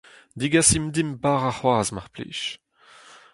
Degasit dimp bara c'hoazh, mar plij.